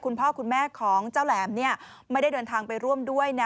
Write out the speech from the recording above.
คุณพ่อคุณแม่ของเจ้าแหลมไม่ได้เดินทางไปร่วมด้วยนะ